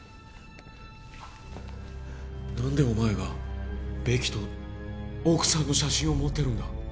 何でお前がベキと奥さんの写真を持ってるんだ？